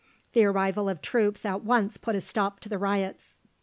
The arrival of troops at once put a stop to the riots.